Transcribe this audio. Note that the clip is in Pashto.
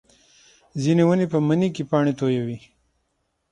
ځینې ونې په مني کې پاڼې تویوي